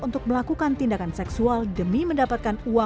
untuk melakukan tindakan seksual demi mendapatkan uang atau imbalan